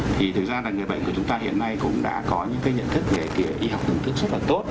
thì thực ra là người bệnh của chúng ta hiện nay cũng đã có những nhận thức về y học tưởng tức rất là tốt